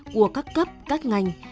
của các cấp các ngành